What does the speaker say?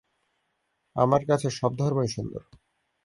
আমার কাছে সব ধর্মই সুন্দর।